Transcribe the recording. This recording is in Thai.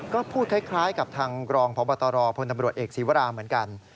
ก็พูดคล้ายกับทางรองพบตรพลตำรวจเอกศีวราเหมือนกัน